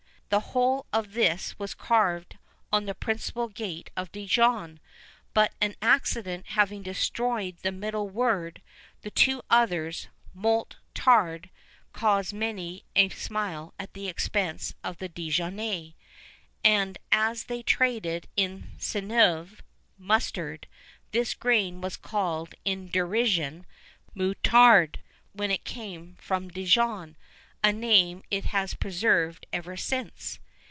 The whole of this was carved on the principal gate of Dijon, but an accident having destroyed the middle word, the two others moult tarde caused many a smile at the expense of the Dijonnais; and as they traded in senevé (mustard), this grain was called in derision moutarde, when it came from Dijon, a name it has preserved ever since.